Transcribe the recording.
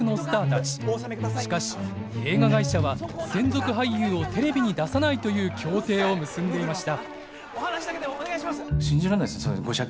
しかし映画会社は専属俳優をテレビに出さないという協定を結んでいました。